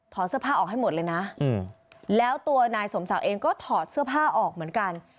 เสื้อผ้าออกให้หมดเลยนะแล้วตัวนายสมศักดิ์เองก็ถอดเสื้อผ้าออกเหมือนกัน